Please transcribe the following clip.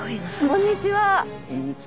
こんにちは。